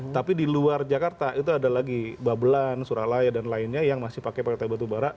tapi di luar jakarta itu ada lagi babelan suralaya dan lainnya yang masih pakai plt batubara